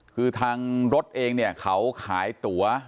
คือทางรถเองเนี่ยเขาขายตั๋ว